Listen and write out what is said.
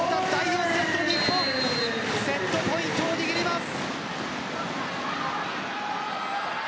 セットポイントを握ります。